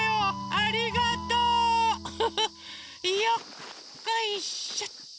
よっこいしょっと。